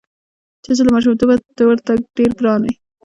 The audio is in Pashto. چا چې له ماشومتوبه ته ورته ډېر ګران وې.